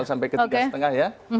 sampai ke tiga lima ya